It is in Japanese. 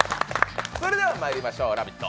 それではまいりましょう、「ラヴィット！」